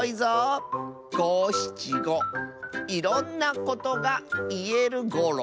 「ごしちごいろんなことがいえるゴロ」。